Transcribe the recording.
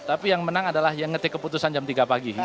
tapi yang menang adalah yang ngetik keputusan jam tiga pagi